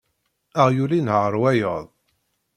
Aɣyul inehheṛ wayeḍ.